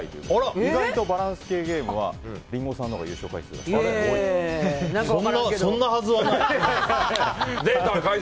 意外とバランス系ゲームはリンゴさんのほうが優勝回数がそんなはずはない！